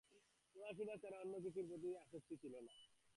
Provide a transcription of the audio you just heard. পড়াশোনা ছাড়া অন্য কোনো কিছুর প্রতি খুব বেশি আসক্তিও ছিল না।